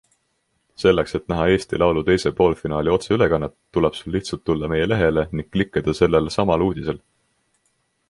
Selleks, et näha Eesti Laulu teise poolfinaali otseülekannet, tuleb sul lihtsalt tulla meie lehele ning klikkida sellel samal uudisel!